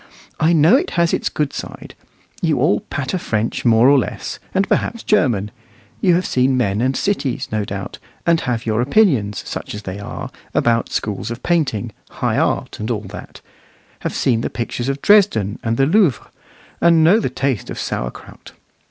I know it has its good side. You all patter French more or less, and perhaps German; you have seen men and cities, no doubt, and have your opinions, such as they are, about schools of painting, high art, and all that; have seen the pictures of Dresden and the Louvre, and know the taste of sour krout.